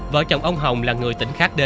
vợ chồng ông hồng là người tỉnh khát đê